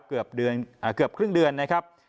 เกือบครึ่งเดือนนะครับ